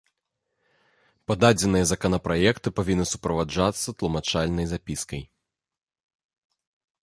Пададзеныя законапраекты павінны суправаджацца тлумачальнай запіскай.